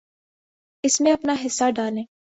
اس میں اپنا حصہ ڈالیں۔